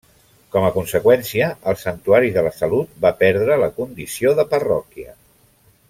Com a conseqüència, el Santuari de la Salut va perdre la condició de parròquia.